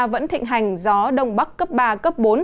vẫn thịnh hành gió đông bắc cấp ba cấp bốn